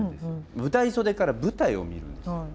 舞台袖から舞台を見るんですよ。